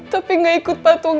tapi gak ikut patungan